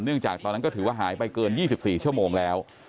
จากตอนนั้นก็ถือว่าหายไปเกิน๒๔ชั่วโมงแล้ว